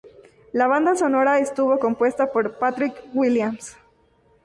La banda sonora estuvo compuesta por Patrick Williams.